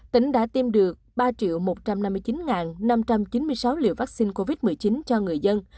tỉnh đã tiêm được ba một trăm năm mươi chín năm trăm chín mươi sáu liều vaccine covid một mươi chín cho người dân